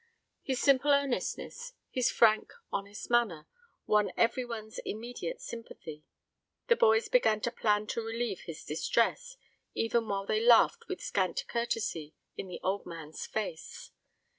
His simple earnestness his frank, honest manner won every one's immediate sympathy. The boys began to plan to relieve his distress, even while they laughed with scant courtesy in the old man's face.